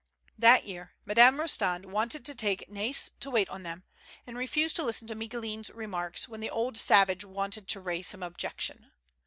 That year Madame Rostand wanted to take Kais to wait on them, and refused to listen to Micoulin's remarks when the old savage wanted to raise some objection.